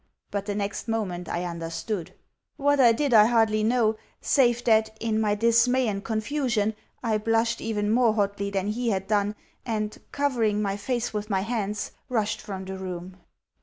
But the next moment I understood. What I did I hardly know, save that, in my dismay and confusion, I blushed even more hotly than he had done and, covering my face with my hands, rushed from the room.